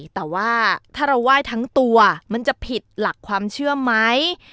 แต่ว่าถ้าเราไหว้ทั้งตัวมันจะผิดหลักความเชื่อไหม